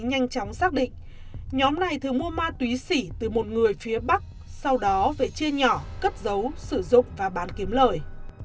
nhanh chóng xác định nhóm này thường mua ma túy xỉ từ một người phía bắc sau đó về chia nhỏ cất giấu sử dụng và bán kiếm lời